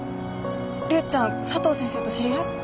リュウちゃん佐藤先生と知り合い？